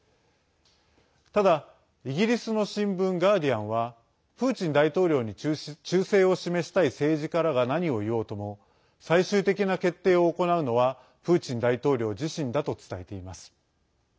ただ、イギリスの新聞ガーディアンはプーチン大統領に忠誠を示したい政治家らが何を言おうとも最終的な決定を行うのはプーチン大統領自身だと伝えています。